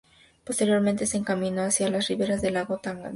Posteriormente se encaminó hacia las riberas del lago Tanganica.